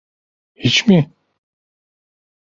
Hiç mi?